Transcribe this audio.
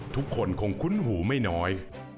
ทุกคนคงคุ้นหูไม่น้อย